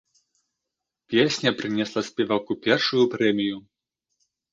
Песня прынесла спеваку першую прэмію.